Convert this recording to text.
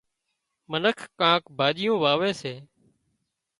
منک ڪانڪ ڀاڄيون واوي سي